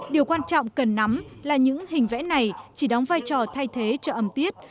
điều quan trọng cần nắm là những hình vẽ này chỉ đóng vai trò thay thế cho âm tiết